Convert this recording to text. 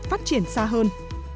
phát triển xa hơn